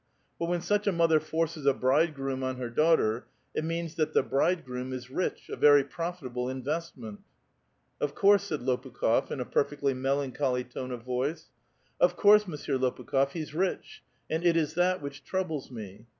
But when such a mother forces a bridegroom on her daughter, it means that the bridegroom is rich, a very profitable investment." ''Of course," said Lopukb6f, in a perfectly melancholy tone of voice. *' Of course. Monsieur Lopukh6f, he's rich ; and it is that which troubles me.